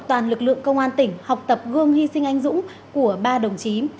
toàn lực lượng công an tỉnh học tập gương hy sinh anh dũng của ba đồng chí